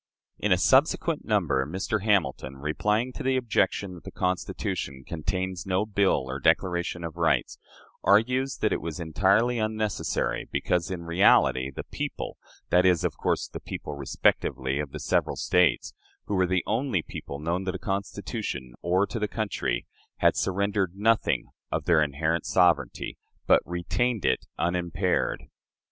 In a subsequent number, Mr. Hamilton, replying to the objection that the Constitution contains no bill or declaration of rights, argues that it was entirely unnecessary, because in reality the people that is, of course, the people, respectively, of the several States, who were the only people known to the Constitution or to the country had surrendered nothing of their inherent sovereignty, but retained it unimpaired.